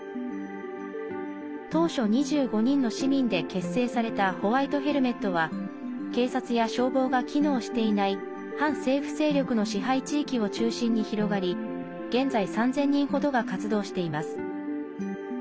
当初２５人の市民で結成されたホワイト・ヘルメットは警察や消防が機能していない反政府勢力の支配地域を中心に広がり現在、３０００人程が活動しています。